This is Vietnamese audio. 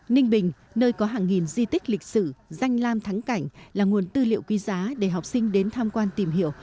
ninh bình nơi có hàng nghìn di tích lịch sử danh lam thắng cảnh là nguồn tư liệu quý giá để học sinh đến tham quan tìm hiểu